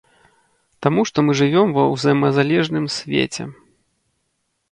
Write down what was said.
Таму што мы жывём ва ўзаемазалежным свеце.